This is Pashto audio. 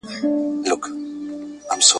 یو جهاني نه یم چي په دام یې کښېوتلی یم !.